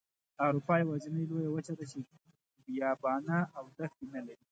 اروپا یوازینۍ لویه وچه ده چې بیابانه او دښتې نلري.